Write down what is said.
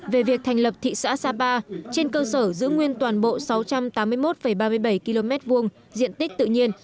về việc thành lập thị xã sapa trên cơ sở giữ nguyên toàn bộ sáu trăm tám mươi một ba mươi bảy km hai diện tích tự nhiên